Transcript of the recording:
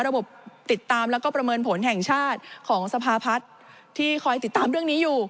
ติดตามแล้วก็ประเมินผลแห่งชาติของสภาพัฒน์ที่คอยติดตามเรื่องนี้อยู่